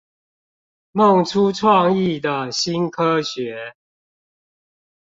夢出創意的新科學